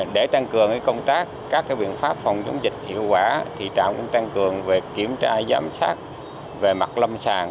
để tăng cường công tác các biện pháp phòng chống dịch hiệu quả trạm cũng tăng cường về kiểm tra giám sát về mặt lâm sàng